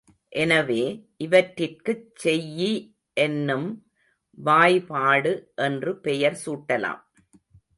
எனவே, இவற்றிற்குச் செய்யி என்னும் வாய்பாடு என்று பெயர் சூட்டலாம்.